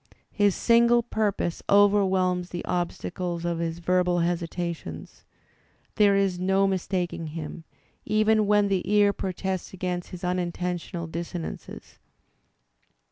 His single pur pose overwhelms the obstacles of his verbal hesitations. There is no mistaking him, even when the ear protests against his unintentional dissonances.